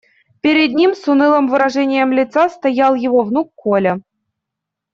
Перед ним с унылым выражением лица стоял его внук Коля.